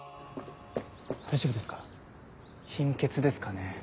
大丈夫ですか貧血ですかね。